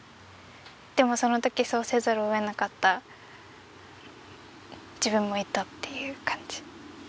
でもそのときそうせざるを得なかった自分もいたっていう感じ。